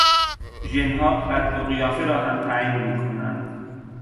ژنها قد و قیافه را هم تعیین میکنند.